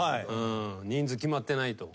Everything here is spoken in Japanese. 人数決まってないと。